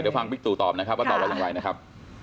เดี๋ยวฟังบิ๊กตู่ตอบนะครับว่าตอบว่าอย่างไรนะครับ